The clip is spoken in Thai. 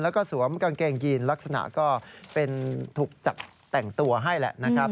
แล้วก็สวมกางเกงยีนลักษณะก็เป็นถูกจัดแต่งตัวให้แหละนะครับ